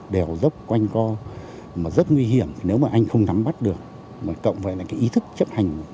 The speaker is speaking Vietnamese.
để giúp chúng ta hoàn thành tốt công việc của mình